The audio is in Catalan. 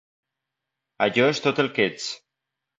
Allò és tot el que ets.